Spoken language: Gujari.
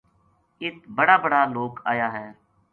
اِت بڑا بڑا لوک آیا ہے